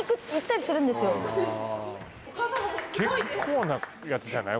結構なやつじゃない？